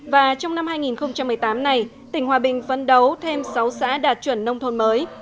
và trong năm hai nghìn một mươi tám này tỉnh hòa bình phấn đấu thêm sáu xã đạt chuẩn nông thôn mới